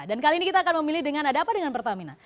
dan kali ini kita akan memilih dengan ada apa dengan pertamina